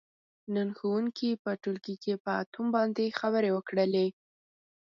نن ښوونکي په ټولګي کې په اتوم باندې خبرې وکړلې.